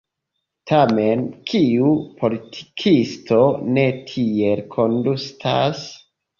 Tamen kiu politikisto ne tiel kondutas?